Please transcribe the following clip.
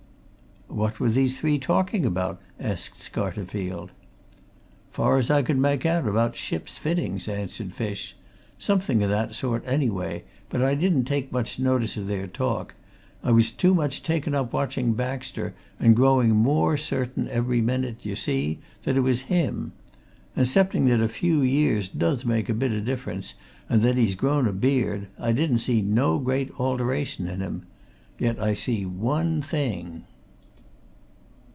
"What were these three talking about?" asked Scarterfield. "Far as I could make out about ship's fittings," answered Fish. "Something 'o that sort, anyway, but I didn't take much notice o' their talk; I was too much taken up watching Baxter, and growing more certain every minute, d'ye see, that it was him. And 'cepting that a few o' years does make a bit o' difference, and that he's grown a beard, I didn't see no great alteration in him. Yet I see one thing."